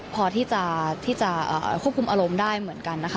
พอที่จะควบคุมอารมณ์ได้เหมือนกันนะคะ